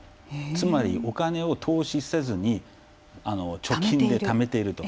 つまり、お金を投資せずに貯金でためていると。